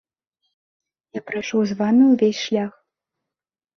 Я прайшоў з вамі ўвесь шлях.